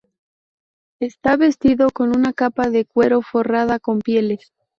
Está vestido con una capa de cuero forrada con pieles.